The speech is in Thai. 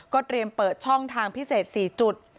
เตรียมเปิดช่องทางพิเศษ๔จุด